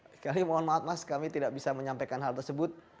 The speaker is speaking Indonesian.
sekali mohon maaf mas kami tidak bisa menyampaikan hal tersebut